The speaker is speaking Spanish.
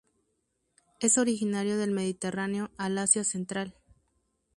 Es originario del Mediterráneo al Asia central.